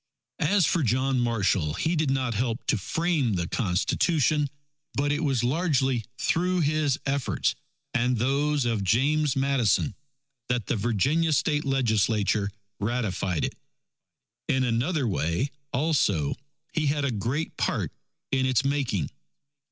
As for John Marshall, he did not help to frame the Constitution; but it was largely through his efforts and those of James Madison, that the Virginia State Legislature ratified it. In another way, also, he had a great part in its making.